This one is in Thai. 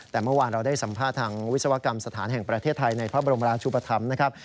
แต่เมื่อวานเราได้สัมภาษณ์ทางวิศวกรรมสถานแห่งประเทศไทยในพระบรมราชุปธรรมนะครับ